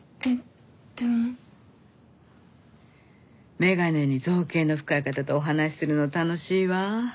眼鏡に造詣の深い方とお話しするの楽しいわ。